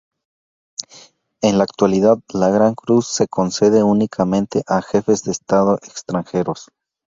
En la actualidad la Gran Cruz se concede únicamente a jefes de estado extranjeros.